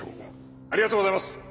ありがとうございます！